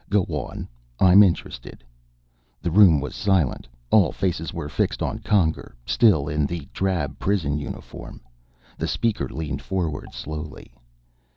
"Go on. I'm interested." The room was silent; all faces were fixed on Conger still in the drab prison uniform. The Speaker leaned forward slowly.